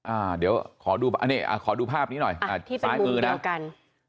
อ่าเดี๋ยวขอดูภาพนี้หน่อยซ้ายมือนะที่เป็นมุมเดียวกัน